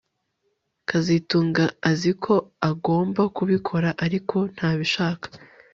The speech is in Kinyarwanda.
kazitunga azi ko agomba kubikora ariko ntabishaka